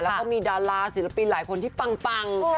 แล้วก็มีดาราศิลปินหลายคนที่ปัง